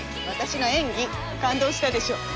私の演技感動したでしょ？